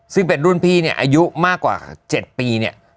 ซึ่งเป็นรุ่นพี่เนี่ยอายุมากกว่า๗ปีเนี่ย